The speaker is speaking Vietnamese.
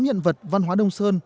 tám hiện vật văn hóa đông sơn